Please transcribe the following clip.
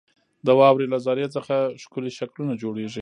• د واورې له ذرې څخه ښکلي شکلونه جوړېږي.